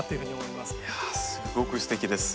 いやすごくすてきです。